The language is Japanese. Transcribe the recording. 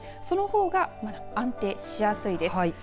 そのほうがまだ安定しやすいです。